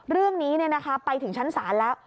เรื่องนี้เนี่ยนะคะไปถึงชั้นศาลแล้ว